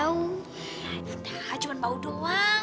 ya udah cuma bau doang